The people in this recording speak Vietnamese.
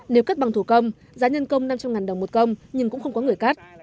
nếu cắt bằng thủ công giá nhân công năm trăm linh đồng một công nhưng cũng không có người cắt